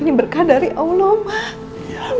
ini berkah dari allah mah